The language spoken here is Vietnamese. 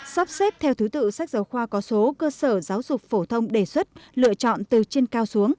sắp xếp theo thứ tự sách giáo khoa có số cơ sở giáo dục phổ thông đề xuất lựa chọn từ trên cao xuống